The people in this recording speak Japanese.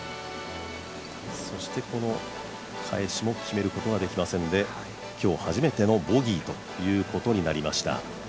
そしてこの、返しも決めることができませんで今日、初めてのボギーということになりました。